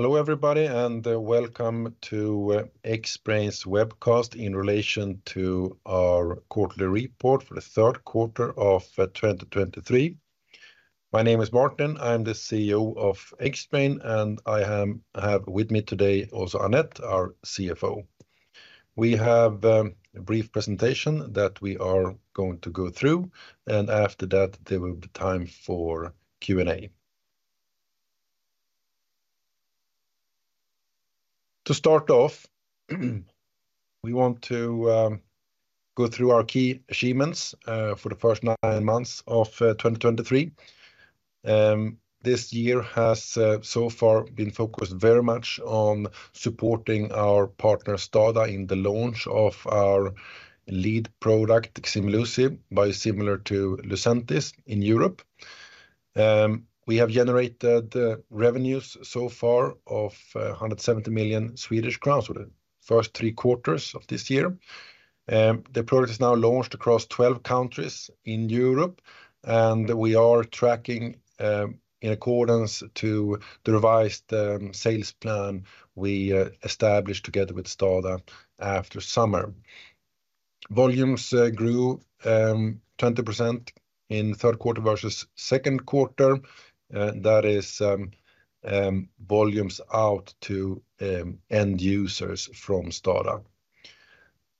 Hello, everybody, and welcome to Xbrane's webcast in relation to our quarterly report for the third quarter of 2023. My name is Martin. I'm the CEO of Xbrane, and I have with me today also Anette, our CFO. We have a brief presentation that we are going to go through, and after that, there will be time for Q&A. To start off, we want to go through our key achievements for the first nine months of 2023. This year has so far been focused very much on supporting our partner, STADA, in the launch of our lead product, Ximluci, biosimilar to Lucentis in Europe. We have generated revenues so far of 170 million Swedish crowns for the first three quarters of this year. The product is now launched across 12 countries in Europe, and we are tracking in accordance to the revised sales plan we established together with STADA after summer. Volumes grew 20% in the third quarter versus second quarter. That is volumes out to end users from STADA.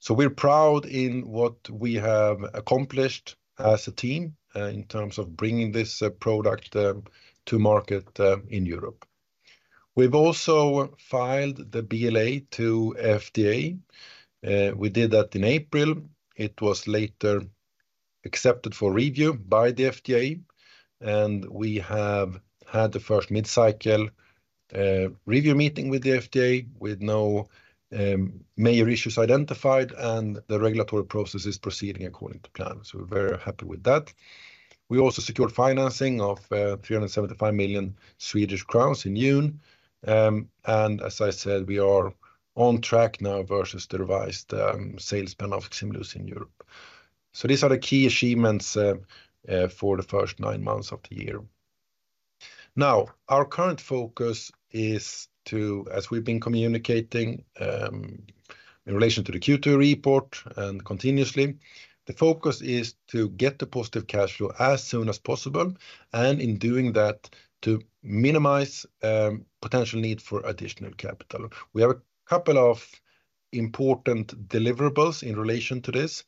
So we're proud in what we have accomplished as a team in terms of bringing this product to market in Europe. We've also filed the BLA to FDA. We did that in April. It was later accepted for review by the FDA, and we have had the first mid-cycle review meeting with the FDA, with no major issues identified, and the regulatory process is proceeding according to plan. So we're very happy with that. We also secured financing of 375 million Swedish crowns in June. As I said, we are on track now versus the revised sales plan of Ximluci in Europe. These are the key achievements for the first nine months of the year. Now, our current focus is to, as we've been communicating, in relation to the Q2 report and continuously, the focus is to get the positive cash flow as soon as possible, and in doing that, to minimize potential need for additional capital. We have a couple of important deliverables in relation to this.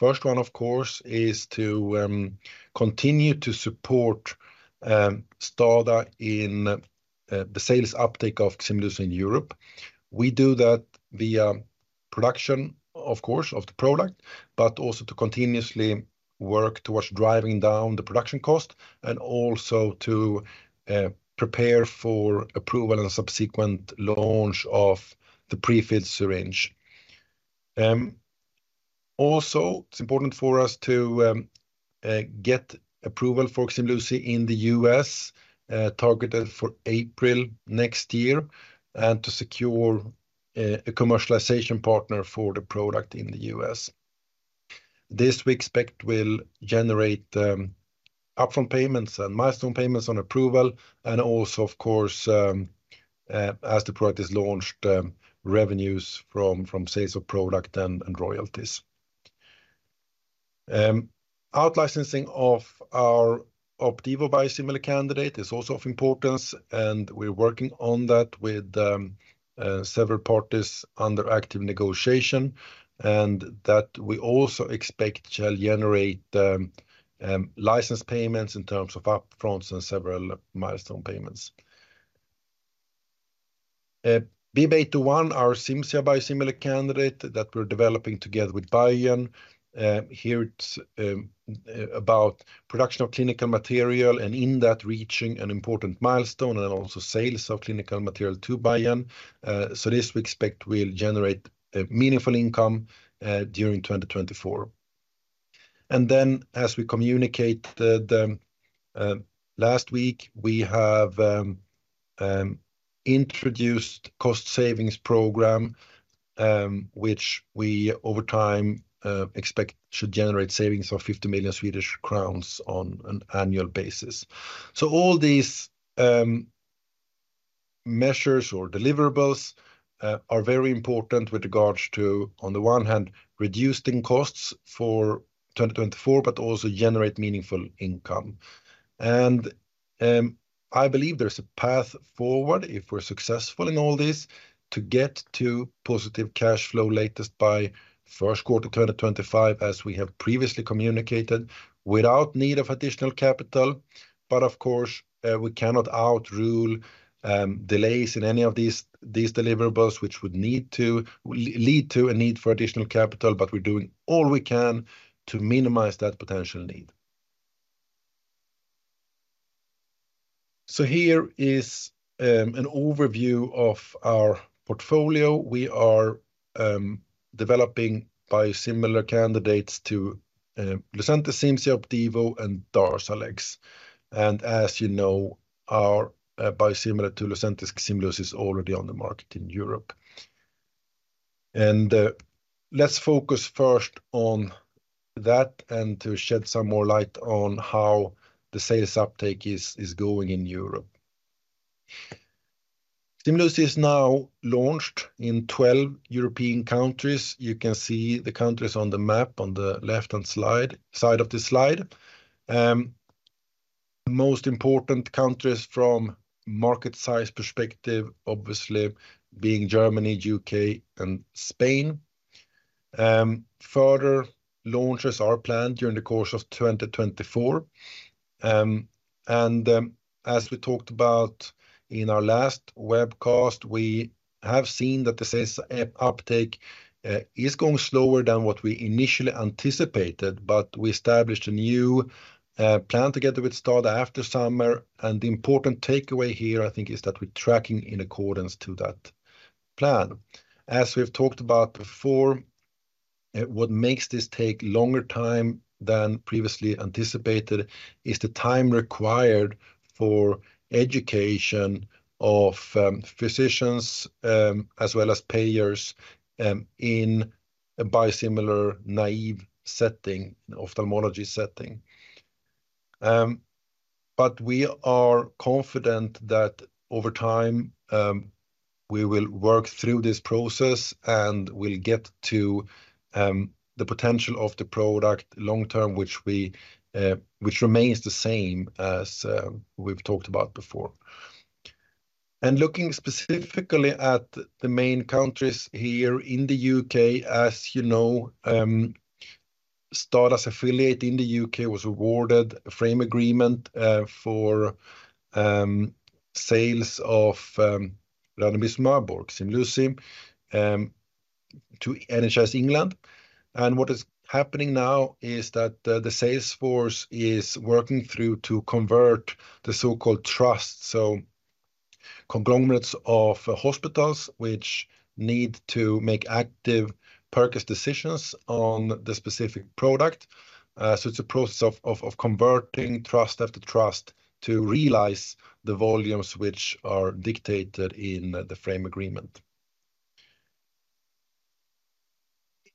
First one, of course, is to continue to support STADA in the sales uptake of Ximluci in Europe. We do that via production, of course, of the product, but also to continuously work towards driving down the production cost and also to prepare for approval and subsequent launch of the prefilled syringe. Also, it's important for us to get approval for Ximluci in the U.S., targeted for April next year, and to secure a commercialization partner for the product in the U.S. This we expect will generate upfront payments and milestone payments on approval, and also, of course, as the product is launched, revenues from sales of product and royalties. Out-licensing of our Opdivo biosimilar candidate is also of importance, and we're working on that with several parties under active negotiation, and that we also expect shall generate license payments in terms of upfronts and several milestone payments. BIIB801, our Cimzia biosimilar candidate that we're developing together with Biogen, here it's about production of clinical material, and in that, reaching an important milestone and also sales of clinical material to Biogen. So this we expect will generate a meaningful income during 2024. And then, as we communicated last week, we have introduced cost savings program, which we over time expect should generate savings of 50 million Swedish crowns on an annual basis. So all these measures or deliverables are very important with regards to, on the one hand, reducing costs for 2024, but also generate meaningful income. And, I believe there's a path forward if we're successful in all this, to get to positive cash flow latest by first quarter 2025, as we have previously communicated, without need of additional capital. But of course, we cannot rule out delays in any of these deliverables, which would need to lead to a need for additional capital, but we're doing all we can to minimize that potential need. So here is an overview of our portfolio. We are developing biosimilar candidates to Lucentis, Cimzia, Opdivo, and Darzalex. And as you know, our biosimilar to Lucentis, Ximluci, is already on the market in Europe. And let's focus first on that, and to shed some more light on how the sales uptake is going in Europe. Ximluci is now launched in 12 European countries. You can see the countries on the map on the left-hand side of the slide. Most important countries from market size perspective, obviously being Germany, UK, and Spain. Further launches are planned during the course of 2024. And, as we talked about in our last webcast, we have seen that the sales uptake is going slower than what we initially anticipated, but we established a new plan together with STADA after summer. And the important takeaway here, I think, is that we're tracking in accordance to that plan. As we've talked about before, what makes this take longer time than previously anticipated is the time required for education of physicians as well as payers in a biosimilar-naïve setting, an ophthalmology setting. But we are confident that over time we will work through this process, and we'll get to the potential of the product long term, which remains the same as we've talked about before. Looking specifically at the main countries here in the UK, as you know, STADA's affiliate in the UK was awarded a frame agreement for sales of ranibizumab or Ximluci to NHS England. What is happening now is that the sales force is working through to convert the so-called trusts, so conglomerates of hospitals, which need to make active purchase decisions on the specific product. So it's a process of converting trust after trust to realize the volumes which are dictated in the frame agreement.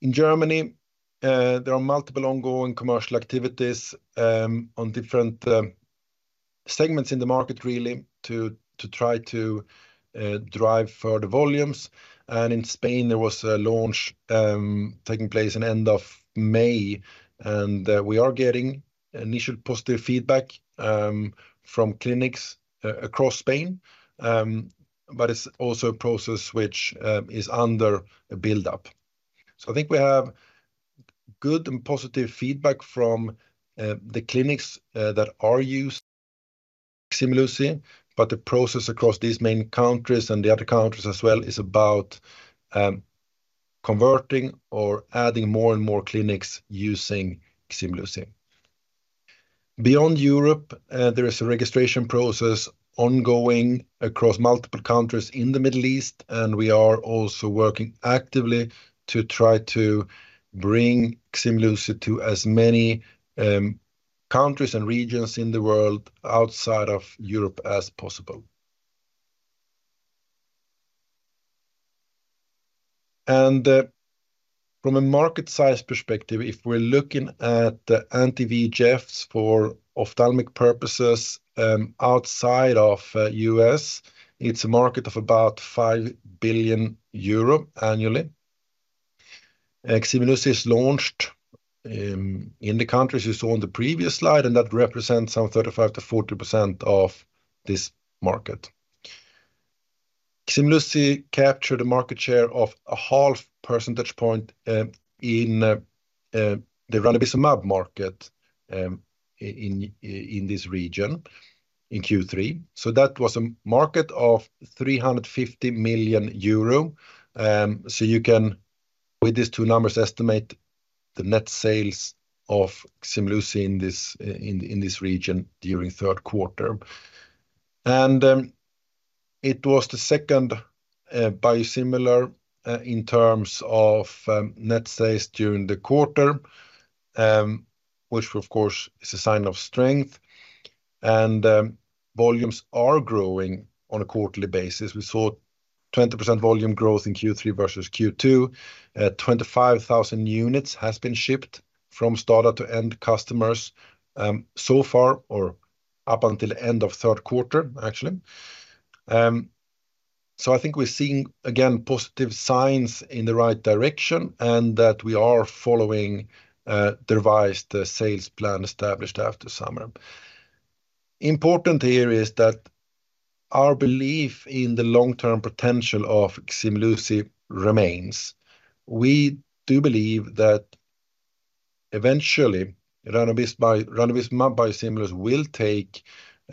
In Germany, there are multiple ongoing commercial activities on different segments in the market, really, to try to drive further volumes. In Spain, there was a launch taking place in end of May, and we are getting initial positive feedback from clinics across Spain. But it's also a process which is under build-up. So I think we have good and positive feedback from the clinics that are used Ximluci, but the process across these main countries and the other countries as well, is about converting or adding more and more clinics using Ximluci. Beyond Europe, there is a registration process ongoing across multiple countries in the Middle East, and we are also working actively to try to bring Ximluci to as many countries and regions in the world outside of Europe as possible. And from a market size perspective, if we're looking at the anti-VEGFs for ophthalmic purposes, outside of U.S., it's a market of about 5 billion euro annually. Ximluci is launched in the countries you saw on the previous slide, and that represents some 35%-40% of this market. Ximluci captured a market share of a half percentage point in the ranibizumab market in this region in Q3. So that was a market of 350 million euro. So you can, with these two numbers, estimate the net sales of Ximluci in this region during third quarter. It was the second biosimilar in terms of net sales during the quarter, which of course is a sign of strength, and volumes are growing on a quarterly basis. We saw 20% volume growth in Q3 versus Q2. 25,000 units has been shipped from STADA to end customers, so far or up until end of third quarter, actually. So I think we're seeing, again, positive signs in the right direction and that we are following the revised sales plan established after summer. Important here is that our belief in the long-term potential of Ximluci remains. We do believe that eventually, ranibizumab, ranibizumab biosimilars will take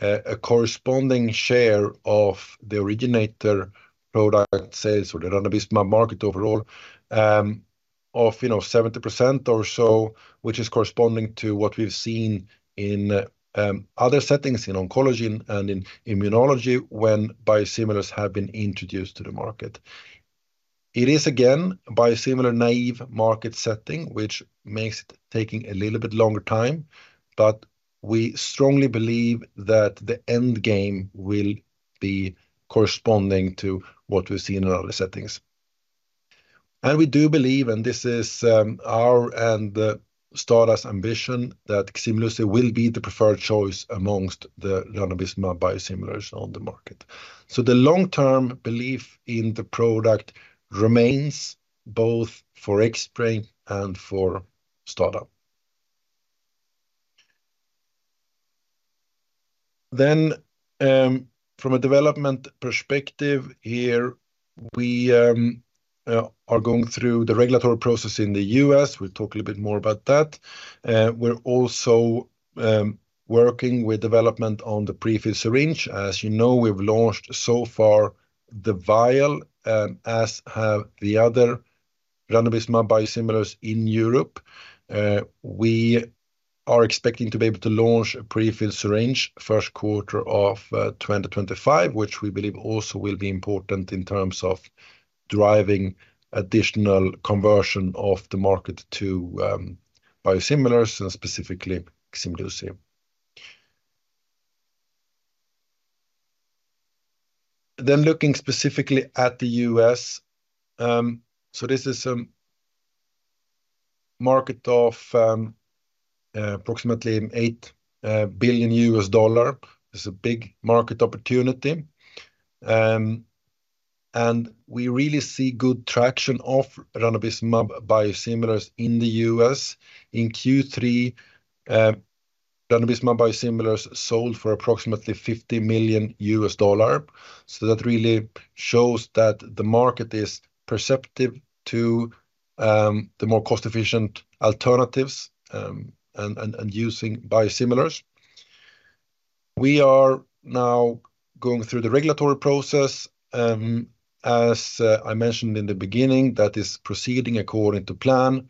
a, a corresponding share of the originator product sales or the ranibizumab market overall, of, you know, 70% or so, which is corresponding to what we've seen in other settings in oncology and in immunology, when biosimilars have been introduced to the market. It is, again, biosimilar-naive market setting, which makes it taking a little bit longer time, but we strongly believe that the end game will be corresponding to what we see in other settings. We do believe, and this is our and STADA's ambition, that Ximluci will be the preferred choice amongst the ranibizumab biosimilars on the market. So the long-term belief in the product remains both for Xbrane and for STADA. From a development perspective here, we are going through the regulatory process in the U.S. We'll talk a little bit more about that. We're also working with development on the prefilled syringe. As you know, we've launched so far the vial, as have the other ranibizumab biosimilars in Europe. We are expecting to be able to launch a prefilled syringe first quarter of 2025, which we believe also will be important in terms of driving additional conversion of the market to biosimilars and specifically Ximluci. Then looking specifically at the U.S., so this is a market of approximately $8 billion. It's a big market opportunity, and we really see good traction of ranibizumab biosimilars in the U.S. In Q3, ranibizumab biosimilars sold for approximately $50 million. So that really shows that the market is perceptive to the more cost-efficient alternatives, and, and, using biosimilars. We are now going through the regulatory process. As I mentioned in the beginning, that is proceeding according to plan.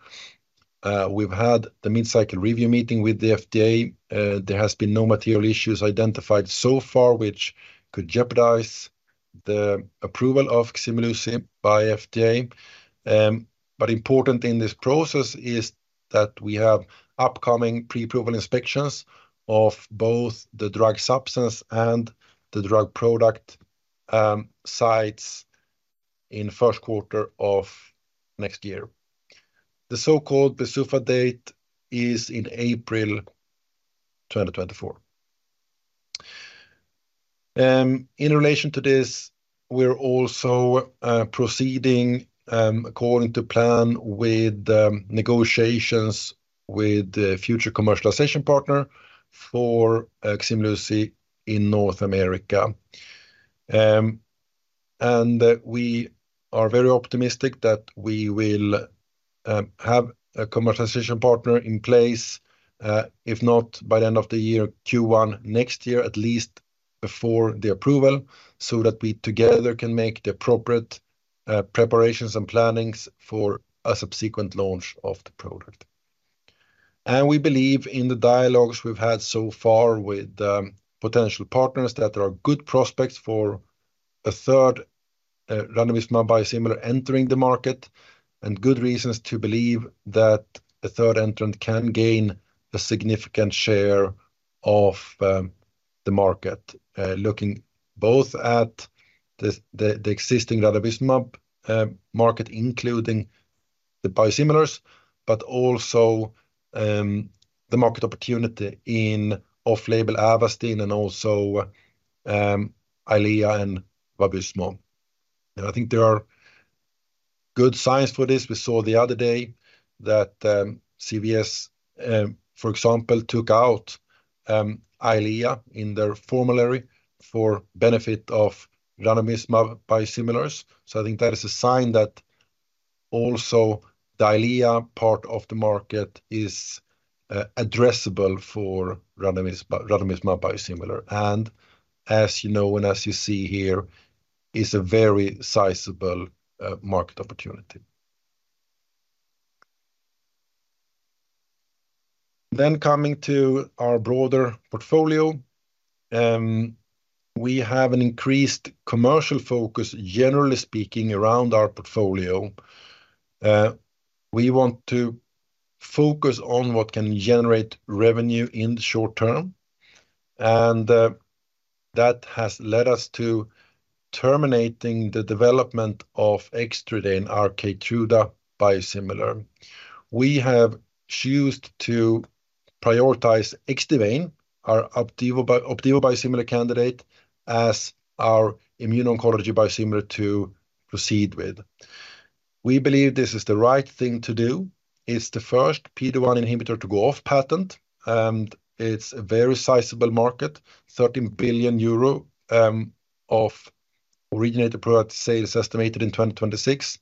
We've had the mid-cycle review meeting with the FDA. There has been no material issues identified so far, which could jeopardize the approval of Ximluci by FDA. But important in this process is that we have upcoming pre-approval inspections of both the drug substance and the drug product sites in first quarter of next year. The so-called PDUFA date is in April 2024. In relation to this, we're also proceeding according to plan with negotiations with the future commercialization partner for Ximluci in North America. And we are very optimistic that we will have a commercialization partner in place, if not by the end of the year, Q1 next year, at least before the approval, so that we together can make the appropriate preparations and plannings for a subsequent launch of the product. We believe in the dialogues we've had so far with potential partners that there are good prospects for a third ranibizumab biosimilar entering the market, and good reasons to believe that a third entrant can gain a significant share of the market. Looking both at the existing ranibizumab market, including the biosimilars, but also the market opportunity in off-label Avastin and also Eylea and Lucentis. I think there are good signs for this. We saw the other day that CVS, for example, took out Eylea in their formulary for benefit of ranibizumab biosimilars. So I think that is a sign that also the Eylea part of the market is addressable for ranibizumab biosimilar, and as you know, and as you see here, is a very sizable market opportunity. Coming to our broader portfolio, we have an increased commercial focus, generally speaking, around our portfolio. We want to focus on what can generate revenue in the short term, and that has led us to terminating the development of Xtrudane and our Keytruda biosimilar. We have chosen to prioritize Xdivane, our Opdivo, Opdivo biosimilar candidate, as our immune oncology biosimilar to proceed with. We believe this is the right thing to do. It's the first PD-1 inhibitor to go off patent, and it's a very sizable market. 13 billion euro of originator product sales estimated in 2026.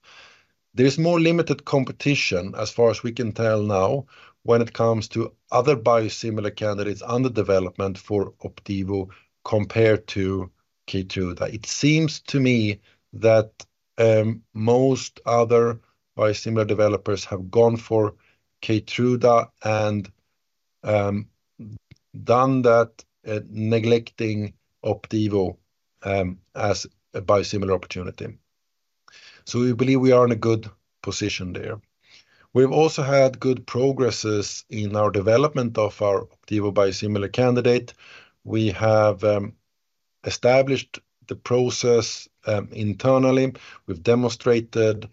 There is more limited competition, as far as we can tell now, when it comes to other biosimilar candidates under development for Opdivo compared to Keytruda. It seems to me that most other biosimilar developers have gone for Keytruda and done that at neglecting Opdivo as a biosimilar opportunity. So we believe we are in a good position there. We've also had good progresses in our development of our Opdivo biosimilar candidate. We have established the process internally. We've demonstrated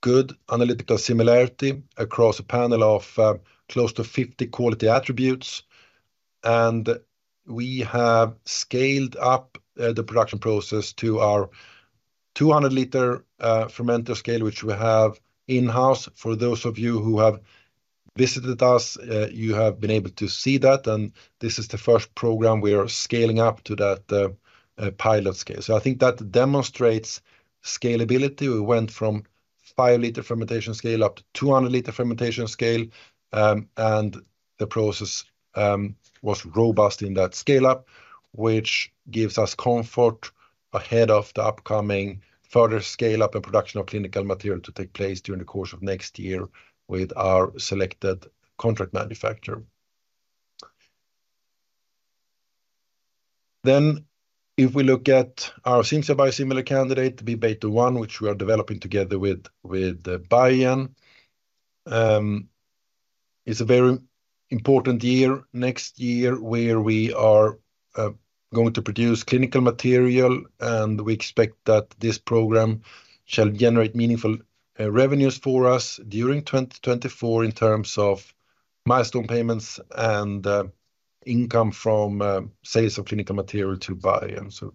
good analytical similarity across a panel of close to 50 quality attributes, and we have scaled up the production process to our 200-liter fermenter scale, which we have in-house. For those of you who have visited us, you have been able to see that, and this is the first program we are scaling up to that pilot scale. So I think that demonstrates scalability. We went from five-liter fermentation scale up to 200-liter fermentation scale, and the process was robust in that scale-up, which gives us comfort ahead of the upcoming further scale-up and production of clinical material to take place during the course of next year with our selected contract manufacturer. Then, if we look at our Cimzia biosimilar candidate, BIIB801, which we are developing together with Biogen, it's a very important year, next year, where we are going to produce clinical material, and we expect that this program shall generate meaningful revenues for us during 2024 in terms of milestone payments and income from sales of clinical material to Biogen. So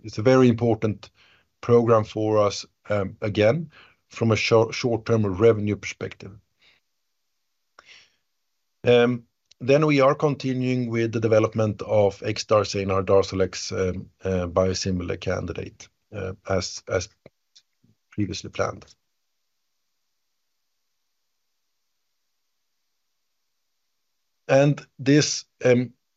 it's a very important program for us, again, from a short-term revenue perspective. Then we are continuing with the development of Xdarzena and Darzalex, biosimilar candidate, as previously planned. And this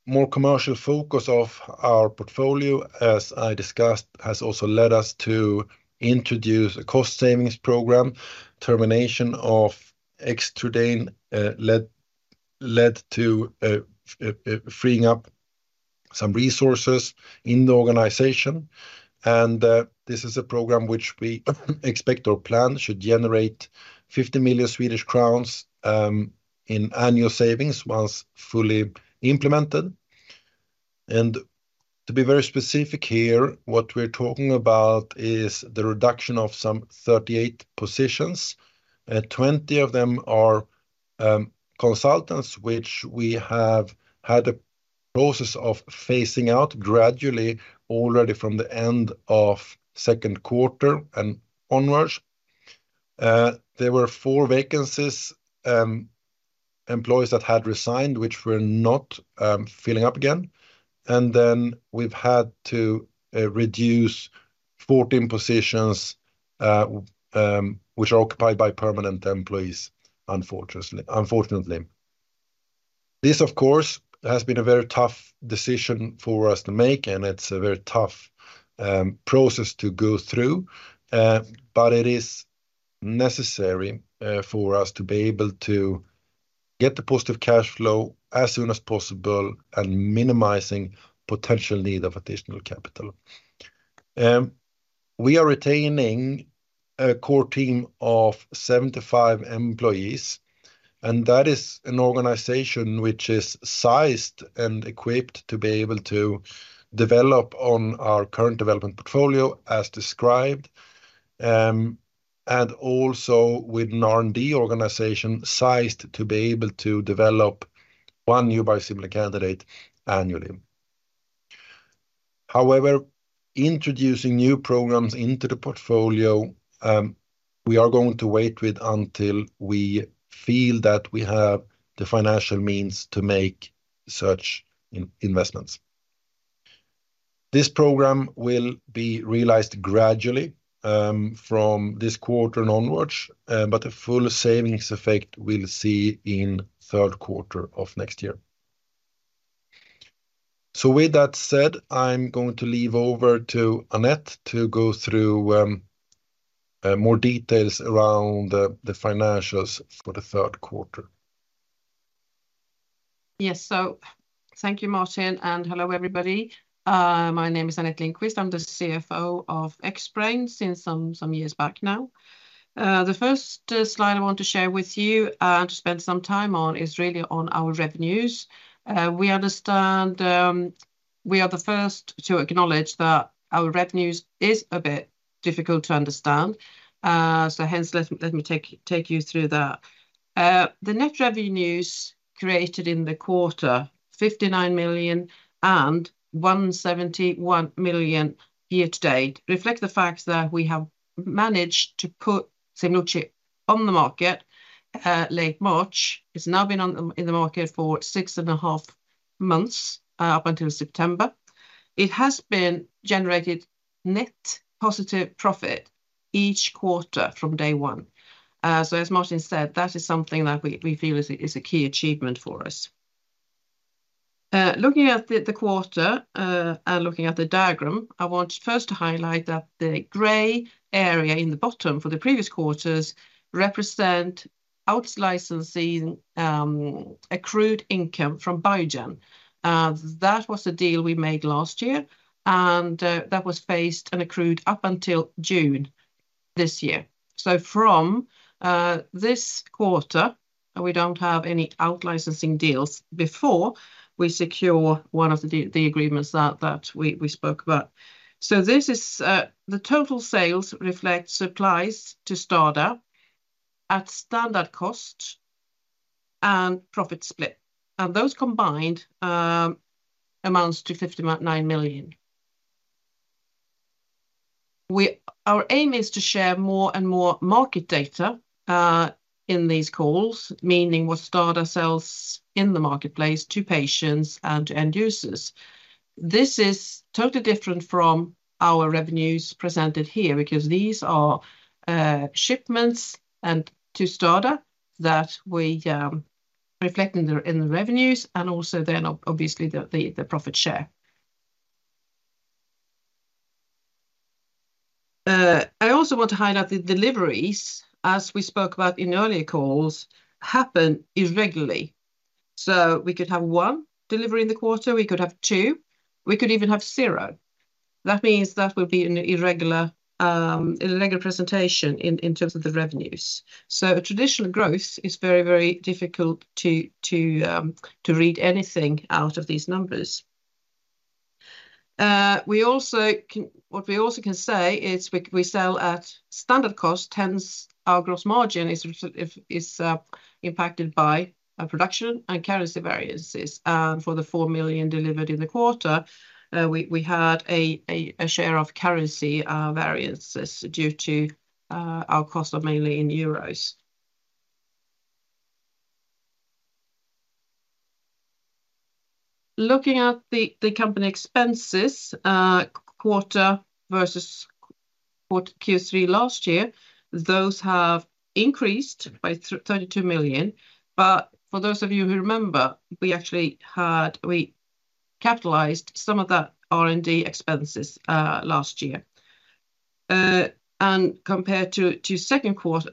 more commercial focus of our portfolio, as I discussed, has also led us to introduce a cost savings program, termination of Xtrudane, led to freeing up some resources in the organization. And this is a program which we expect or plan should generate 50 million Swedish crowns in annual savings once fully implemented. And to be very specific here, what we're talking about is the reduction of some 38 positions. 20 of them are consultants, which we have had a process of phasing out gradually, already from the end of second quarter and onwards. There were four vacancies, employees that had resigned, which we're not filling up again. Then we've had to reduce 14 positions, which are occupied by permanent employees, unfortunately, unfortunately. This, of course, has been a very tough decision for us to make, and it's a very tough process to go through. It is necessary for us to be able to get the positive cash flow as soon as possible and minimizing potential need of additional capital. We are retaining a core team of 75 employees, and that is an organization which is sized and equipped to be able to develop on our current development portfolio, as described, and also with an R&D organization sized to be able to develop one new biosimilar candidate annually. However, introducing new programs into the portfolio, we are going to wait with until we feel that we have the financial means to make such investments. This program will be realized gradually, from this quarter onwards, but the full savings effect we'll see in third quarter of next year. So with that said, I'm going to leave over to Anette to go through, more details around the financials for the third quarter. Yes. So thank you, Martin, and hello, everybody. My name is Anette Lindqvist. I'm the CFO of Xbrane since some years back now. The first slide I want to share with you and to spend some time on is really on our revenues. We understand. We are the first to acknowledge that our revenues is a bit difficult to understand. So hence, let me take you through that. The net revenues created in the quarter, 59 million and 171 million year to date, reflect the fact that we have managed to put Ximluci on the market, late March. It's now been on the in the market for six and a half months, up until September. It has been generated net positive profit each quarter from day one. So as Martin said, that is something that we feel is a key achievement for us. Looking at the quarter, looking at the diagram, I want first to highlight that the gray area in the bottom for the previous quarters represents out-licensing, accrued income from Biogen. That was the deal we made last year, and that was phased and accrued up until June this year. So from this quarter, we don't have any out-licensing deals before we secure one of the agreements that we spoke about. So this is the total sales reflect supplies to STADA at standard cost and profit split, and those combined amounts to SEK 59 million. Our aim is to share more and more market data in these calls, meaning what STADA sells in the marketplace to patients and to end users. This is totally different from our revenues presented here, because these are shipments to STADA that we reflect in the revenues and also then obviously the profit share. I also want to highlight the deliveries, as we spoke about in earlier calls, happen irregularly. So we could have one delivery in the quarter, we could have two, we could even have zero. That means that will be an irregular presentation in terms of the revenues. So a traditional growth is very, very difficult to read anything out of these numbers. We also can... What we also can say is we sell at standard cost, hence our gross margin is impacted by production and currency variances. For the four million delivered in the quarter, we had a share of currency variances due to our costs mainly in euros. Looking at the company expenses quarter-over-quarter, Q3 last year, those have increased by 32 million. But for those of you who remember, we actually capitalized some of the R&D expenses last year. And compared to second quarter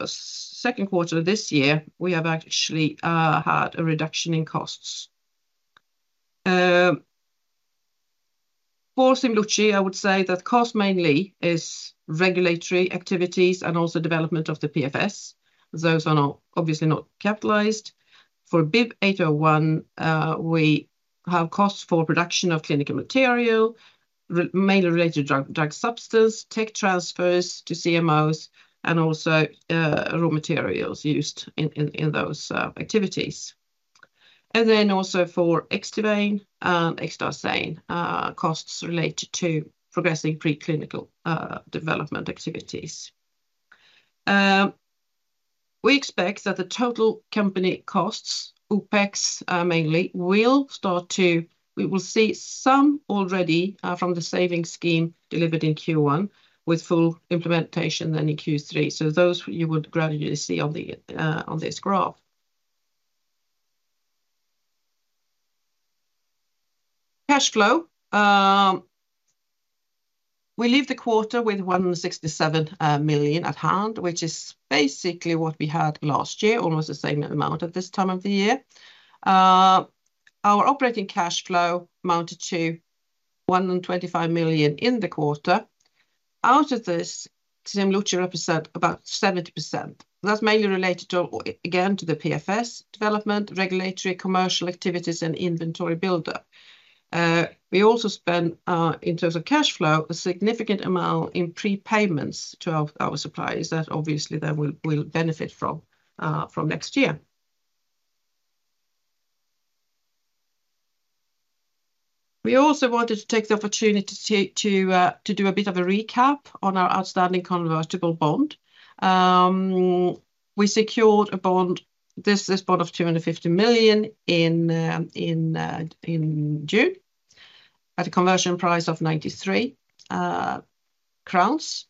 of this year, we have actually had a reduction in costs. For Ximluci, I would say that cost mainly is regulatory activities and also development of the PFS. Those are obviously not capitalized. For BIIB801, we have costs for production of clinical material, mainly related to drug substance, tech transfers to CMOs, and also raw materials used in those activities. And then also for Xdarzena and Xdivane, costs related to progressing preclinical development activities. We expect that the total company costs, OpEx, mainly, will start to, we will see some already from the savings scheme delivered in Q1, with full implementation then in Q3. So those you would gradually see on this graph. Cash flow. We leave the quarter with 167 million at hand, which is basically what we had last year, almost the same amount at this time of the year. Our operating cash flow amounted to 125 million in the quarter. Out of this, Ximluci represent about 70%. That's mainly related to, again, to the PFS development, regulatory commercial activities, and inventory buildup. We also spent, in terms of cash flow, a significant amount in prepayments to our suppliers that obviously they will benefit from, from next year. We also wanted to take the opportunity to do a bit of a recap on our outstanding convertible bond. We secured a bond, this bond of 250 million in, in June at a conversion price of 93 crowns.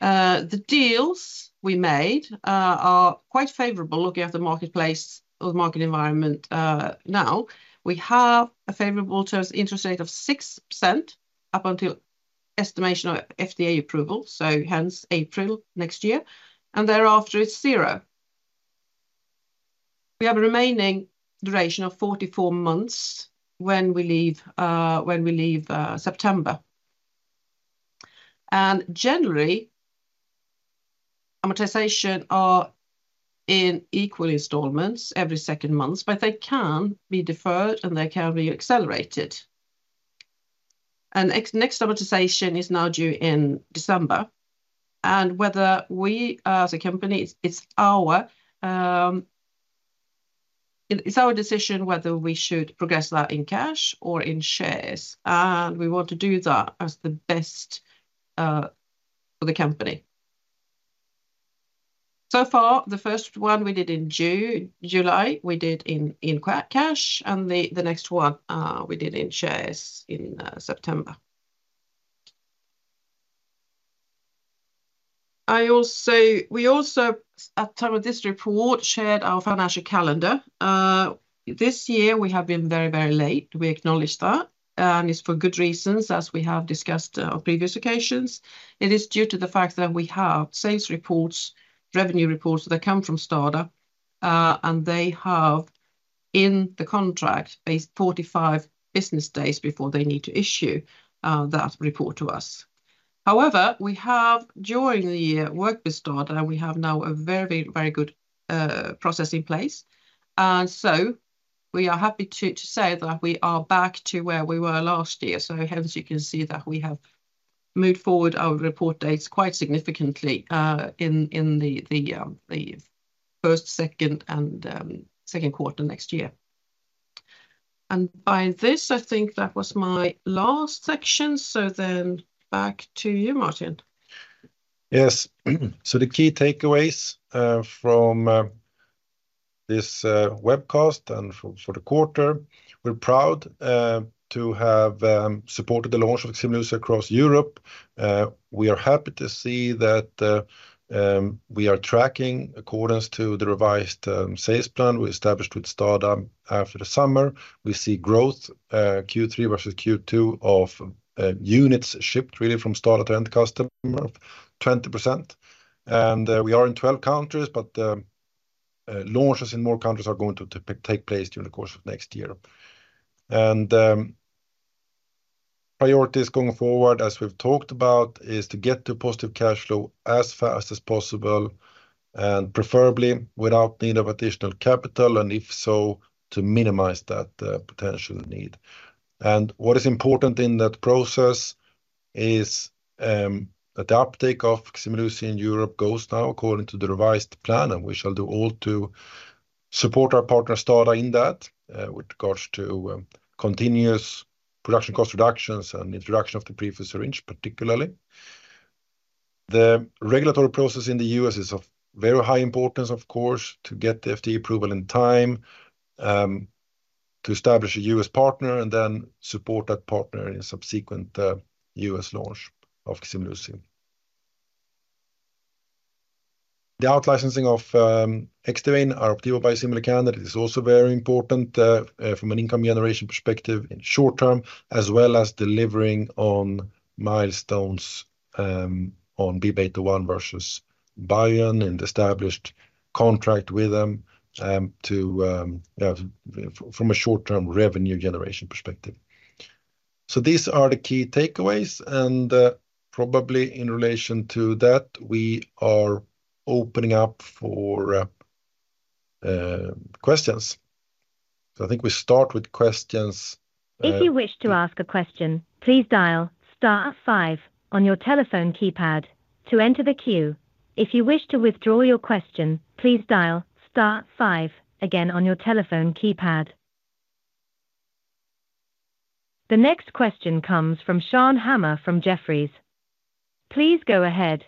The deals we made are quite favorable, looking at the marketplace or the market environment, now. We have favorable terms interest rate of 6% up until estimation of FDA approval, so hence April next year, and thereafter, it's zero. We have a remaining duration of 44 months when we leave September. Generally, amortization are in equal installments every second month, but they can be deferred, and they can be accelerated. The next amortization is now due in December, and whether we, as a company, it's our decision whether we should progress that in cash or in shares, and we want to do that as the best for the company. So far, the first one we did in June, July, we did in cash, and the next one we did in shares in September. We also, at time of this report, shared our financial calendar. This year, we have been very, very late. We acknowledge that, and it's for good reasons, as we have discussed on previous occasions. It is due to the fact that we have sales reports, revenue reports that come from STADA, and they have in the contract, 45 business days before they need to issue that report to us. However, we have, during the year, worked with STADA, and we have now a very, very good process in place. And so we are happy to say that we are back to where we were last year. So hence, you can see that we have moved forward our report dates quite significantly in the first, second, and second quarter next year. And by this, I think that was my last section, so then back to you, Martin. Yes. So the key takeaways from this webcast and for the quarter, we're proud to have supported the launch of Ximluci across Europe. We are happy to see that we are tracking accordance to the revised sales plan we established with STADA after the summer. We see growth Q3 versus Q2 of units shipped really from STADA to end customer of 20%. And we are in 12 countries, but launches in more countries are going to take place during the course of next year. And priorities going forward, as we've talked about, is to get to positive cash flow as fast as possible, and preferably without need of additional capital, and if so, to minimize that potential need. What is important in that process is that the uptake of Ximluci in Europe goes now according to the revised plan, and we shall do all to support our partner, STADA, in that, with regards to continuous production cost reductions and introduction of the prefilled syringe, particularly. The regulatory process in the U.S. is of very high importance, of course, to get the FDA approval in time, to establish a U.S. partner and then support that partner in subsequent U.S. launch of Ximluci. The out-licensing of Xdivane, our Opdivo biosimilar candidate, is also very important from an income generation perspective in short term, as well as delivering on milestones on BIIB801 versus Biogen and established contract with them to from a short-term revenue generation perspective. So these are the key takeaways, and, probably in relation to that, we are opening up for questions. So I think we start with questions. If you wish to ask a question, please dial star five on your telephone keypad to enter the queue. If you wish to withdraw your question, please dial star five again on your telephone keypad. The next question comes from Sian Hammer from Jefferies. Please go ahead.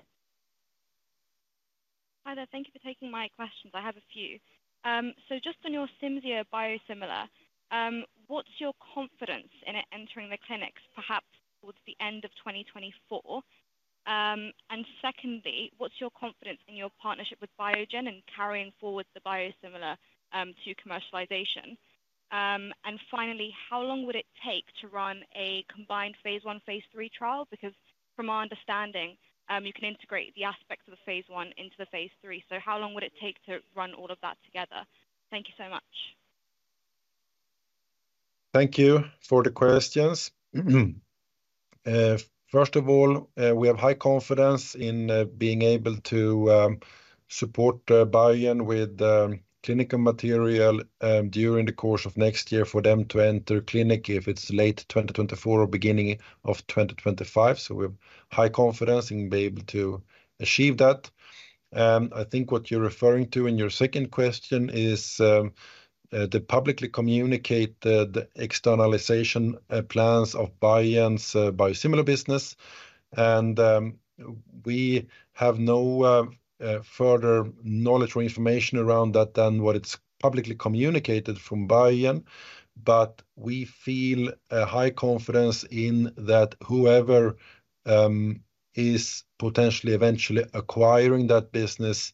Hi there. Thank you for taking my questions. I have a few. So just on your Cimzia biosimilar, what's your confidence in it entering the clinics, perhaps towards the end of 2024? And secondly, what's your confidence in your partnership with Biogen and carrying forward the biosimilar to commercialization? And finally, how long would it take to run a combined phase I, phase III trial? Because from our understanding, you can integrate the aspects of the phase I into the phase III. So how long would it take to run all of that together? Thank you so much. Thank you for the questions. First of all, we have high confidence in being able to support Biogen with clinical material during the course of next year for them to enter clinic if it's late 2024 or beginning of 2025. So we have high confidence in being able to achieve that. I think what you're referring to in your second question is the publicly communicated externalization plans of Biogen's biosimilar business. We have no further knowledge or information around that than what it's publicly communicated from Biogen. We feel a high confidence in that whoever is potentially eventually acquiring that business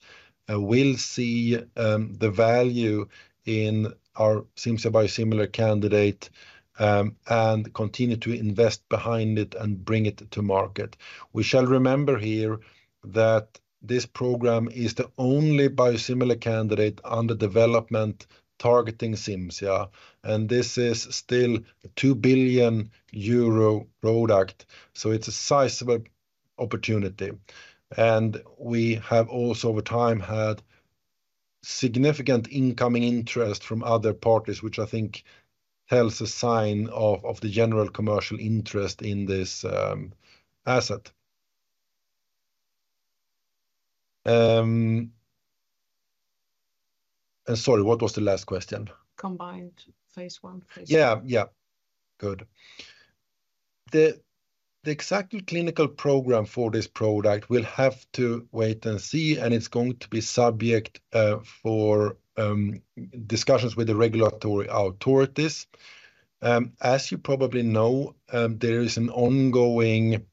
will see the value in our Cimzia biosimilar candidate and continue to invest behind it and bring it to market. We shall remember here that this program is the only biosimilar candidate under development targeting Cimzia, and this is still a 2 billion euro product, so it's a sizable opportunity. We have also, over time, had significant incoming interest from other parties, which I think tells a sign of the general commercial interest in this asset. Sorry, what was the last question? Combined phase I, phase II. Yeah, yeah. Good. The exact clinical program for this product, we'll have to wait and see, and it's going to be subject for discussions with the regulatory authorities. As you probably know, there is an ongoing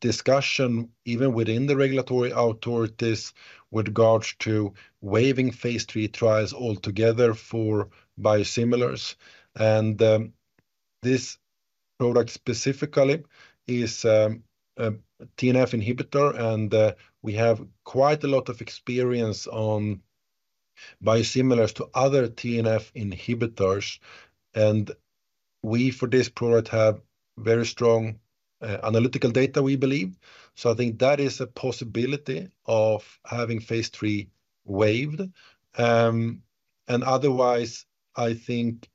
discussion, even within the regulatory authorities, with regards to waiving phase III trials altogether for biosimilars. And this product specifically is a TNF inhibitor, and we have quite a lot of experience on biosimilars to other TNF inhibitors. And we, for this product, have very strong analytical data, we believe. So I think that is a possibility of having phase three waived. And otherwise, I think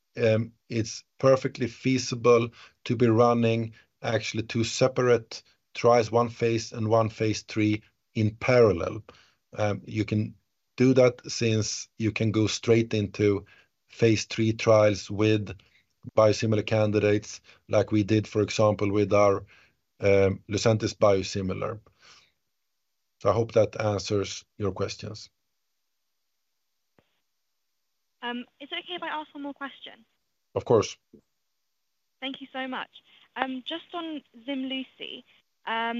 it's perfectly feasible to be running actually two separate trials, one phase and one phase three in parallel. You can do that since you can go straight into phase three trials with biosimilar candidates, like we did, for example, with our Lucentis biosimilar. So I hope that answers your questions. Is it okay if I ask one more question? Of course. Thank you so much. Just on Ximluci, are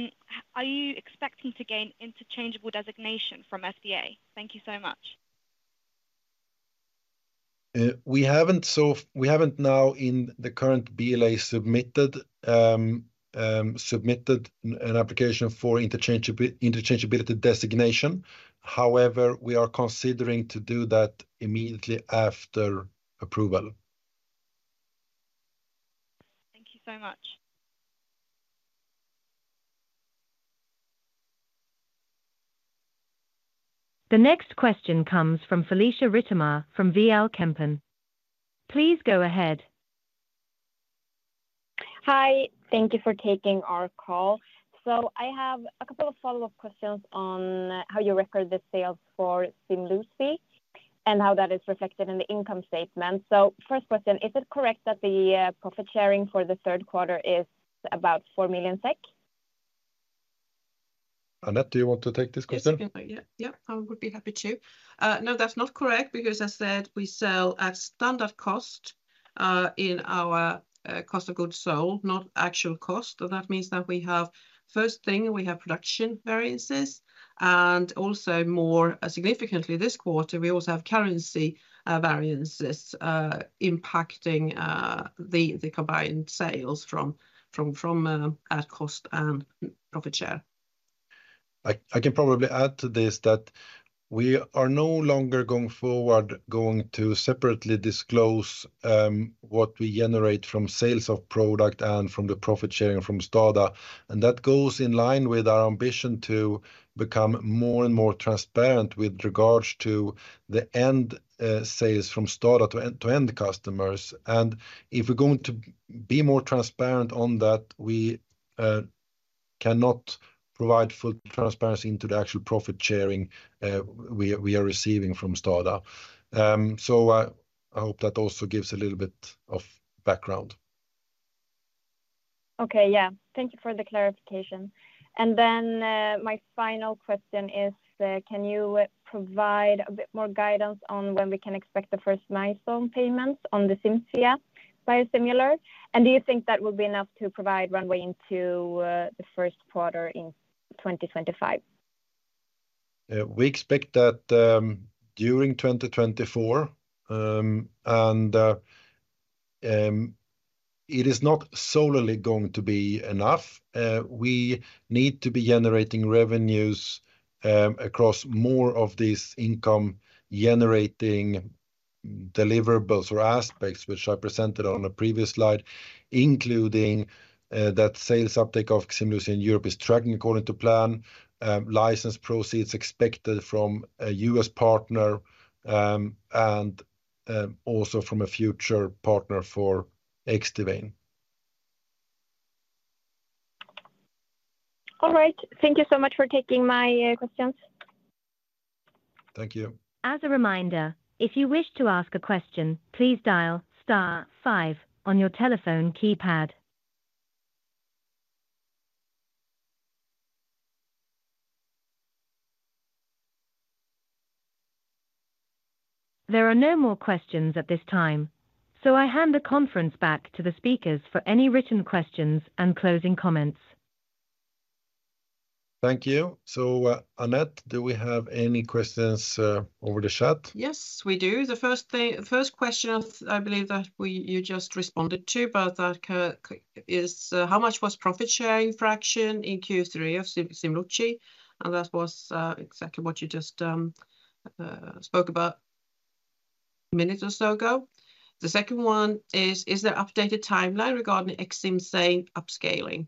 you expecting to gain interchangeable designation from FDA? Thank you so much. We haven't now, in the current BLA submitted, submitted an application for interchangeability designation. However, we are considering to do that immediately after approval. Thank you so much. The next question comes from Felicia Rittmar from VL Kempen. Please go ahead. Hi, thank you for taking our call. So I have a couple of follow-up questions on how you record the sales for Ximluci and how that is reflected in the income statement. So first question, is it correct that the profit sharing for the third quarter is about 4 million SEK? Anette, do you want to take this question? Yes, yeah. Yeah, I would be happy to. No, that's not correct, because as said, we sell at standard cost in our cost of goods sold, not actual cost. So that means that we have, first thing, we have production variances, and also more significantly this quarter, we also have currency variances impacting the combined sales from at cost and profit share. I can probably add to this, that we are no longer going forward, going to separately disclose what we generate from sales of product and from the profit sharing from STADA. And that goes in line with our ambition to become more and more transparent with regards to the end sales from STADA to end-to-end customers. And if we're going to be more transparent on that, we cannot provide full transparency into the actual profit sharing we are receiving from STADA. So, I hope that also gives a little bit of background. Okay. Yeah. Thank you for the clarification. And then, my final question is, can you provide a bit more guidance on when we can expect the first milestone payments on the Xcimzane biosimilar? And do you think that will be enough to provide runway into, the first quarter in 2025? We expect that, during 2024, it is not solely going to be enough. We need to be generating revenues, across more of these income-generating deliverables or aspects, which I presented on a previous slide, including that sales uptake of Ximluci in Europe is tracking according to plan, license proceeds expected from a U.S. partner, and also from a future partner for Xdivane. All right. Thank you so much for taking my questions. Thank you. As a reminder, if you wish to ask a question, please dial star five on your telephone keypad. There are no more questions at this time, so I hand the conference back to the speakers for any written questions and closing comments. Thank you. So, Anette, do we have any questions over the chat? Yes, we do. The first thing, first question, I believe that you just responded to, but that is, "How much was profit sharing fraction in Q3 of Ximluci?" And that was exactly what you just spoke about a minute or so ago. The second one is, "Is there updated timeline regarding Xcimzane upscaling?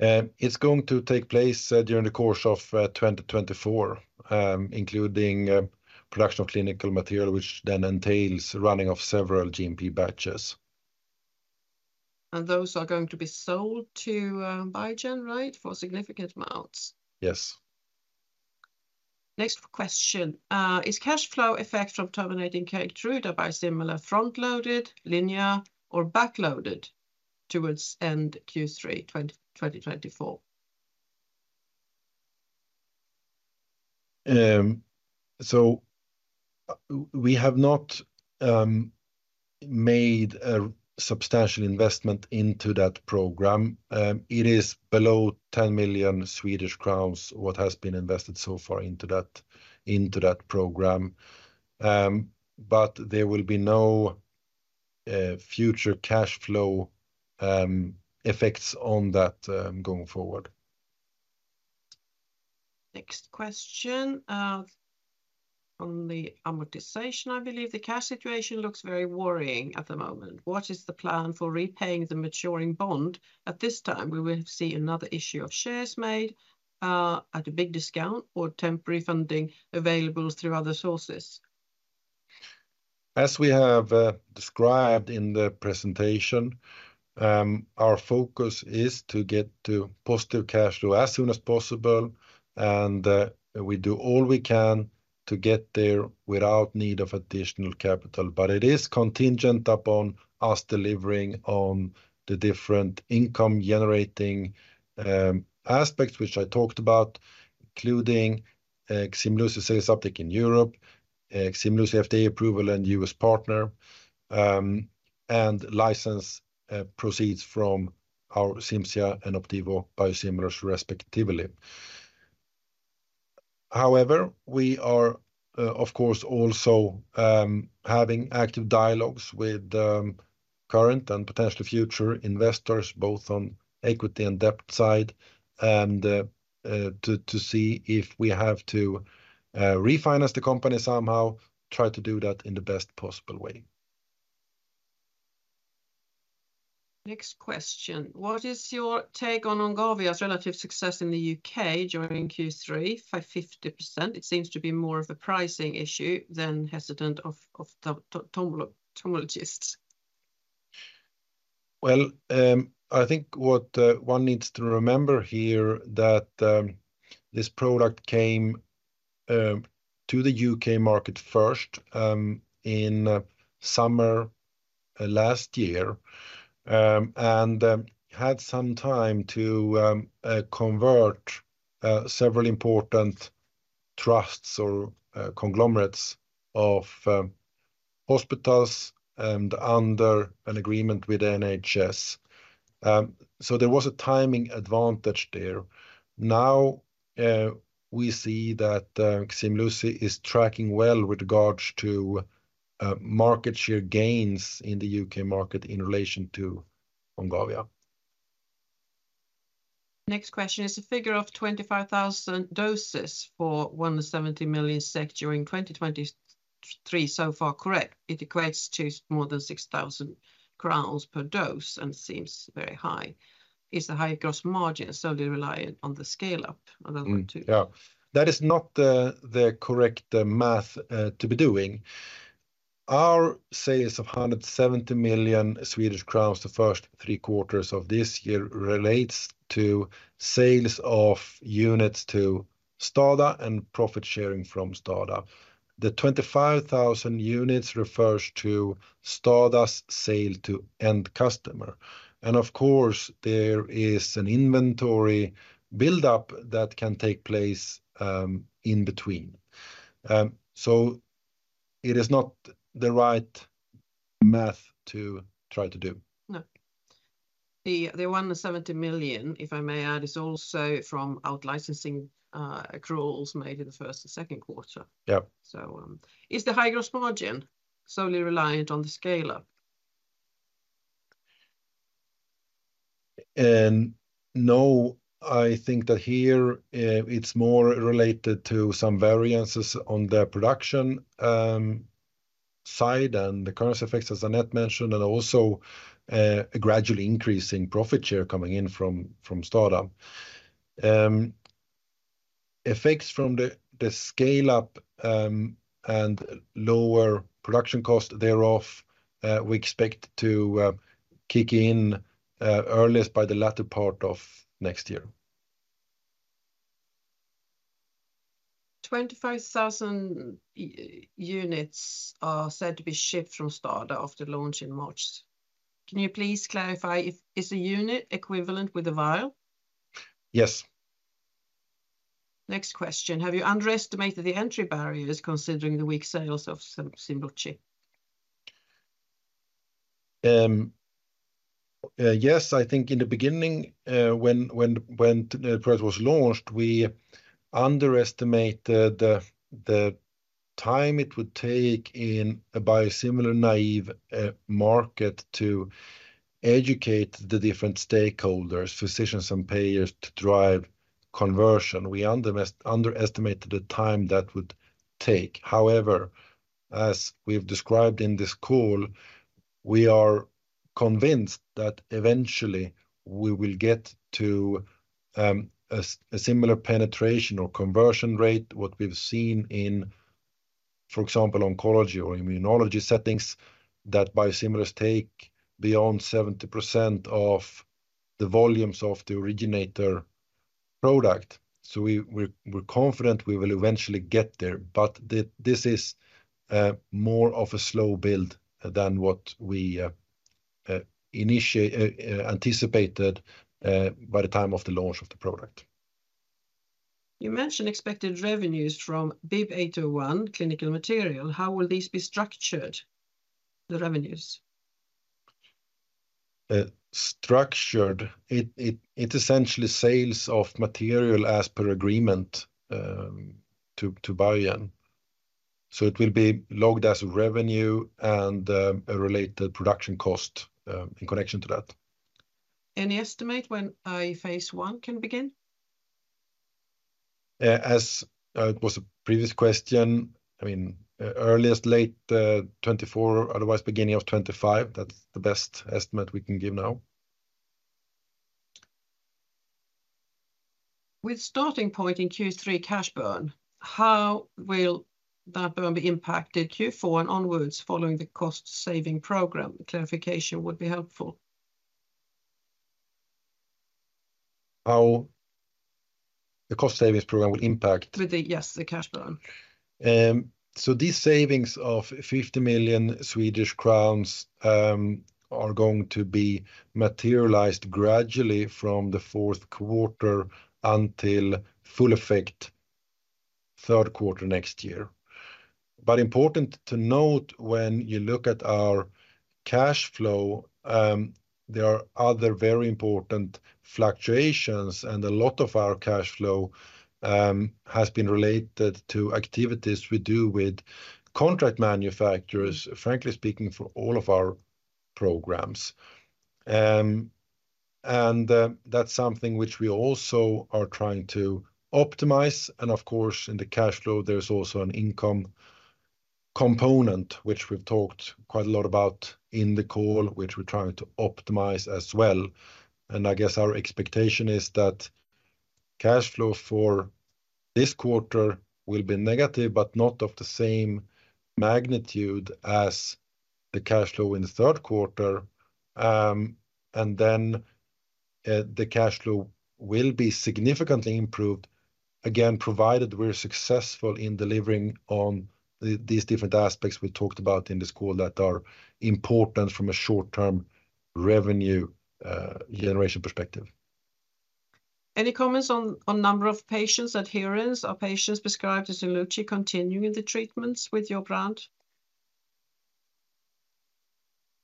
It's going to take place during the course of 2024, including production of clinical material, which then entails running of several GMP batches. Those are going to be sold to, Biogen, right? For significant amounts. Yes. Next question: "Is cash flow effect from terminating Keytruda biosimilar front-loaded, linear, or back-loaded towards end Q3 2024? So, we have not made a substantial investment into that program. It is below 10 million Swedish crowns, what has been invested so far into that, into that program. But there will be no future cash flow effects on that going forward. Next question, on the amortization, I believe. The cash situation looks very worrying at the moment. What is the plan for repaying the maturing bond? At this time, we will see another issue of shares made, at a big discount or temporary funding available through other sources? As we have described in the presentation, our focus is to get to positive cash flow as soon as possible, and we do all we can to get there without need of additional capital, but it is contingent upon us delivering on the different income-generating aspects, which I talked about, including Ximluci sales update in Europe, Ximluci FDA approval and US partner, and license proceeds from our Xcimzane and Opdivo biosimilars respectively. However, we are of course also having active dialogues with current and potential future investors, both on equity and debt side, and to see if we have to refinance the company somehow, try to do that in the best possible way. Next question: What is your take on Ongavia's relative success in the U.K. during Q3 by 50%? It seems to be more of a pricing issue than hesitant ophthalmologists. Well, I think what one needs to remember here that this product came to the UK market first in summer last year and had some time to convert several important trusts or conglomerates of hospitals and under an agreement with NHS. So there was a timing advantage there. Now we see that Ximluci is tracking well with regards to market share gains in the UK market in relation to Ongavia. Next question, is the figure of 25,000 doses for 170 million SEK during 2023 so far correct? It equates to more than 6,000 crowns per dose and seems very high. Is the high gross margin solely reliant on the scale-up other than to- Yeah. That is not the, the correct math to be doing. Our sales of 170 million Swedish crowns the first three quarters of this year relates to sales of units to STADA and profit sharing from STADA. The 25,000 units refers to STADA's sale to end customer. And of course, there is an inventory buildup that can take place in between. So it is not the right math to try to do. No. The 170 million, if I may add, is also from out licensing accruals made in the first and second quarter. Yeah. Is the high gross margin solely reliant on the scale-up? No, I think that here, it's more related to some variances on the production side and the currency effects, as Anette mentioned, and also, a gradually increasing profit share coming in from STADA. Effects from the scale-up, and lower production cost thereof, we expect to kick in, earliest by the latter part of next year. 25,000 units are said to be shipped from STADA after launch in March. Can you please clarify if is a unit equivalent with the vial? Yes. Next question: Have you underestimated the entry barriers, considering the weak sales of Ximluci? Yes, I think in the beginning, when the product was launched, we underestimated the time it would take in a biosimilar-naïve market to educate the different stakeholders, physicians, and payers to drive conversion. We underestimated the time that would take. However, as we've described in this call, we are convinced that eventually we will get to a similar penetration or conversion rate, what we've seen in, for example, oncology or immunology settings, that biosimilars take beyond 70% of the volumes of the originator product. So we're confident we will eventually get there, but this is more of a slow build than what we initially anticipated by the time of the launch of the product. You mentioned expected revenues from BIIB801 clinical material. How will these be structured, the revenues?... structured, it essentially sales of material as per agreement to Biogen. So it will be logged as revenue and a related production cost in connection to that. Any estimate when a phase 1 can begin? As it was a previous question, I mean, earliest late 2024, otherwise beginning of 2025. That's the best estimate we can give now. With starting point in Q3 cash burn, how will that burn be impacted Q4 and onwards following the cost-saving program? Clarification would be helpful. How the cost savings program will impact- With the cash burn. So these savings of 50 million Swedish crowns are going to be materialized gradually from the fourth quarter until full effect third quarter next year. But important to note, when you look at our cash flow, there are other very important fluctuations, and a lot of our cash flow has been related to activities we do with contract manufacturers, frankly speaking, for all of our programs. And that's something which we also are trying to optimize, and of course, in the cash flow, there's also an income component, which we've talked quite a lot about in the call, which we're trying to optimize as well. And I guess our expectation is that cash flow for this quarter will be negative, but not of the same magnitude as the cash flow in the third quarter. And then, the cash flow will be significantly improved, again, provided we're successful in delivering on these different aspects we talked about in this call that are important from a short-term revenue generation perspective. Any comments on number of patients' adherence? Are patients prescribed Ximluci continuing the treatments with your brand?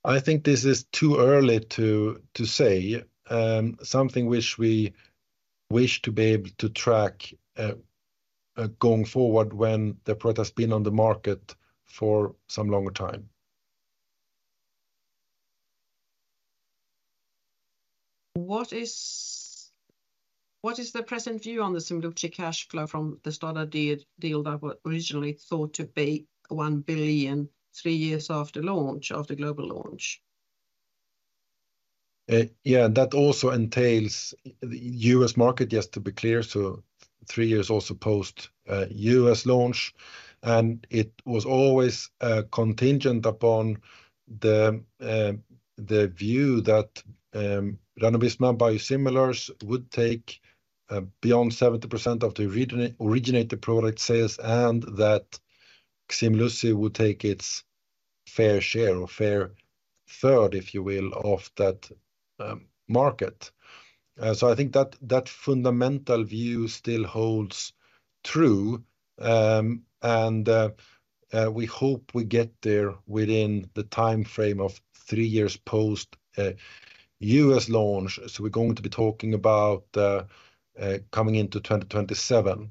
I think this is too early to say. Something which we wish to be able to track going forward when the product's been on the market for some longer time. What is the present view on the Ximluci cash flow from the STADA deal that was originally thought to be 1 billion, three years after launch, after global launch? Yeah, that also entails the U.S. market, just to be clear, so three years also post U.S. launch, and it was always contingent upon the view that ranibizumab biosimilars would take beyond 70% of the originated product sales, and that Ximluci would take its fair share or fair third, if you will, of that market. So I think that fundamental view still holds true, and we hope we get there within the timeframe of three years post U.S. launch. So we're going to be talking about coming into 2027.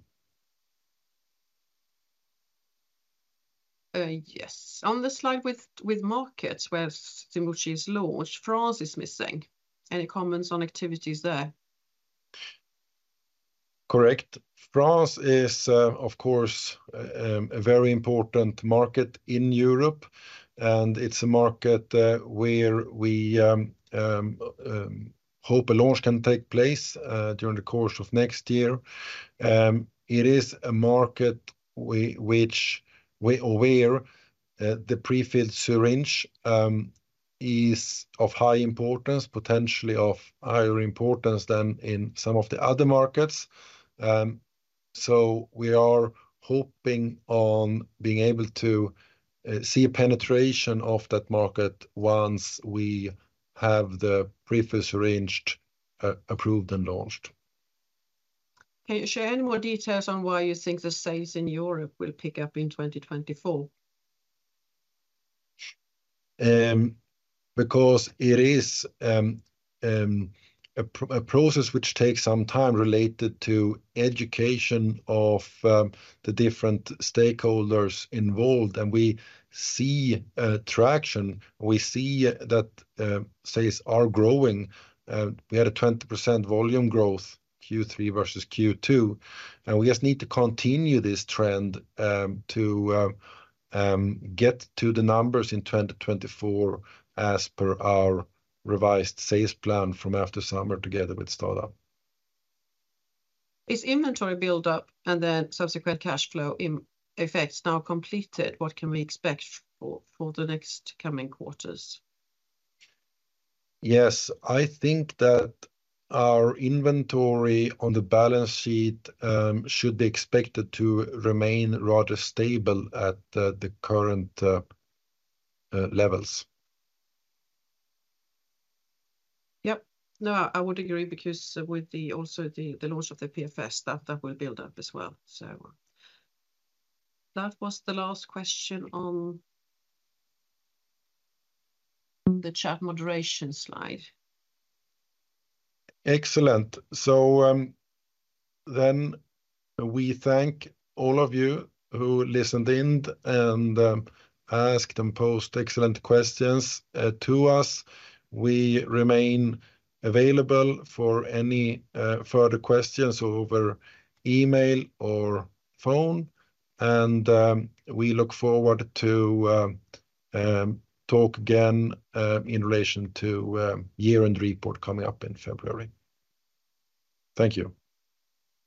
Yes. On the slide with markets where Ximluci is launched, France is missing. Any comments on activities there? Correct. France is, of course, a very important market in Europe, and it's a market where we hope a launch can take place during the course of next year. It is a market which we're aware the prefilled syringe is of high importance, potentially of higher importance than in some of the other markets. So we are hoping on being able to see a penetration of that market once we have the prefilled syringe approved and launched. Can you share any more details on why you think the sales in Europe will pick up in 2024? Because it is a process which takes some time related to education of the different stakeholders involved, and we see traction. We see that sales are growing. We had a 20% volume growth, Q3 versus Q2, and we just need to continue this trend to get to the numbers in 2024, as per our revised sales plan from after summer together with STADA. Is inventory build-up and then subsequent cash flow in effect now completed? What can we expect for the next coming quarters? Yes, I think that our inventory on the balance sheet should be expected to remain rather stable at the current levels. Yep. No, I would agree because with the also the launch of the PFS, that will build up as well. So that was the last question on the chat moderation slide. Excellent. So, then we thank all of you who listened in and asked and posed excellent questions to us. We remain available for any further questions over email or phone, and we look forward to talk again in relation to year-end report coming up in February. Thank you.